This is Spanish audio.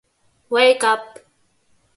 Wake Up!